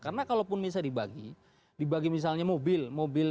karena kalau pun bisa dibagi dibagi misalnya mobil